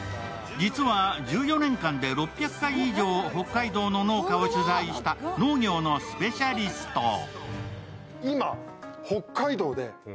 実は１４年間で６００回以上、北海道の農家を取材した農業のスペシャリスト。